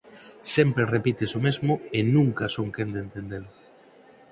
Sempre repites o mesmo e nunca son quen de entendelo.